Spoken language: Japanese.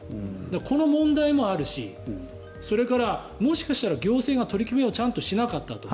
この問題もあるしそれからもしかしたら行政が取り決めをちゃんとしなかったと。